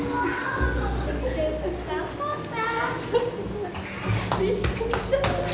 楽しかった！